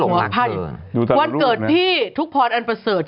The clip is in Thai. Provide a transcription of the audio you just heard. วันเกิดพี่ทุกภรรณประเสริจ